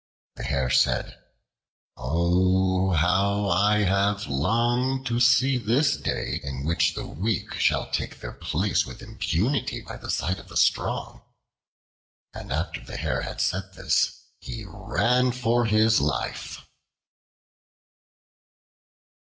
The Hare said, "Oh, how I have longed to see this day, in which the weak shall take their place with impunity by the side of the strong." And after the Hare said this, he ran for his life.